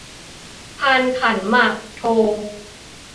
พานขันหมากโท